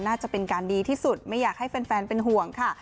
น่าจะเป็นการดีที่สุดไม่อยากให้แฟนเป็นห่วงค่ะ